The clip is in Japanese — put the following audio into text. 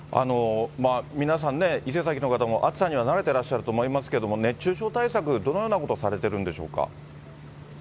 皆さんね、伊勢崎の方も暑さには慣れてらっしゃると思いますけれども、熱中症対策、どのようなことをされているんでしょうか。